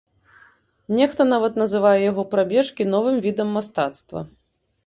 Нехта нават называе яго прабежкі новым відам мастацтва.